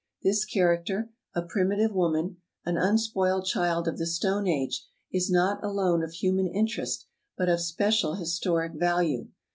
This character — a primitive woman, an unspoiled child of the stone age — is not alone of human interest but of special historic value.